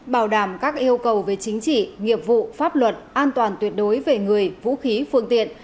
bảo đảm các yêu cầu về chính trị nghiệp vụ pháp luật an toàn tuyệt đối về người vũ khí phương tiện